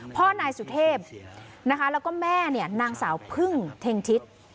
พ่อนายสุเทพนะคะแล้วก็แม่เนี่ยนางสาวพึ่งเท็งทิศ